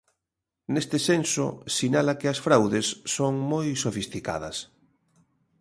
Neste senso, sinala que as fraudes son moi sofisticadas.